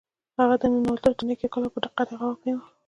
هغه د ننوتلو تڼۍ کیکاږله او په دقت یې غوږ ونیو